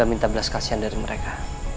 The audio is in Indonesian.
saya minta belas kasihan dari mereka